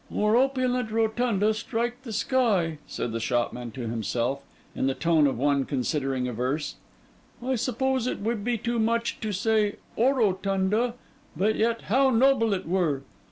'"Or opulent rotunda strike the sky,"' said the shopman to himself, in the tone of one considering a verse. 'I suppose it would be too much to say "orotunda," and yet how noble it were!